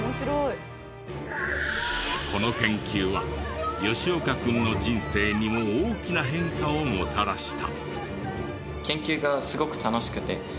この研究は吉岡君の人生にも大きな変化をもたらした。